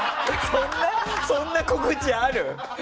そんな告知ある？